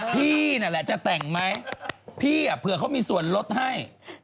พี่นั่นแหละจะแต่งไหมพี่เผื่อเขามีส่วนลดให้